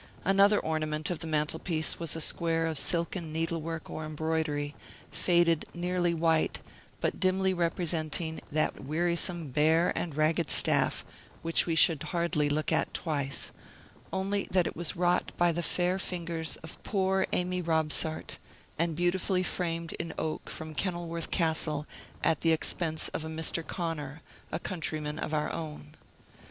Another ornament of the mantel piece was a square of silken needlework or embroidery, faded nearly white, but dimly representing that wearisome Bear and Ragged Staff, which we should hardly look twice at, only that it was wrought by the fair fingers of poor Amy Robsart, and beautifully framed in oak from Kenilworth Castle, at the expense of a Mr. Conner, a countryman of our own.